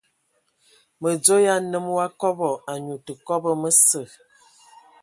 Mədzo ya nnəm wa kɔbɔ, anyu tə kɔbɔ məsə.